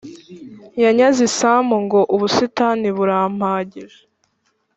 yanyaze isambu ngo ubusitani burampagije